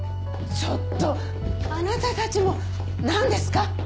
ちょっとあなたたちも何ですか？